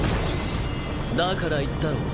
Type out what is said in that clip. だから言ったろう。